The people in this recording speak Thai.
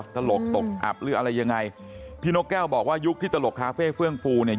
ตลกตกอับหรืออะไรยังไงพี่นกแก้วบอกว่ายุคที่ตลกคาเฟ่เฟื่องฟูเนี่ย